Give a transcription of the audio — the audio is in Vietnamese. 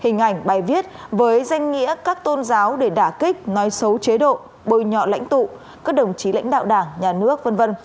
hình ảnh bài viết với danh nghĩa các tôn giáo để đả kích nói xấu chế độ bồi nhọ lãnh tụ các đồng chí lãnh đạo đảng nhà nước v v